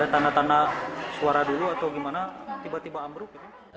terus ada tanda tanda suara dulu atau gimana tiba tiba ambruk